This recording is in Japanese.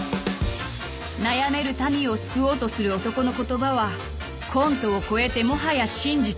［悩める民を救おうとする男の言葉はコントを超えてもはや真実］